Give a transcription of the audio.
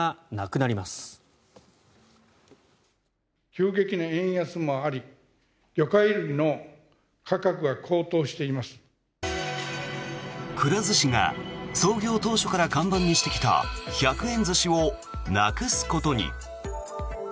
くら寿司が創業当初から看板にしてきた１００円寿司をなくすことに。